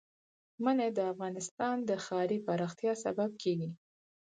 منی د افغانستان د ښاري پراختیا سبب کېږي.